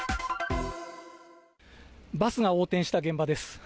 バスが横転した現場です。